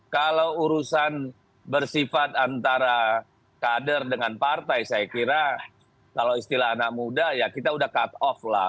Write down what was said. kalau urusan bersifat antara kader dengan partai saya kira kalau istilah anak muda ya kita udah cut off lah